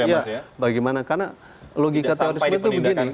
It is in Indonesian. ya bagaimana karena logika terorisme itu begini